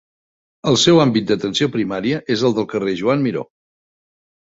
El seu àmbit d'atenció primària és el del carrer Joan Miró.